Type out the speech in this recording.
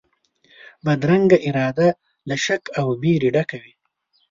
بدرنګه اراده له شک او وېري ډکه وي